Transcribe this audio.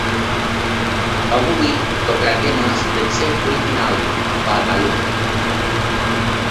Avui tocarà temes del seu últim àlbum, ‘Balbalou’.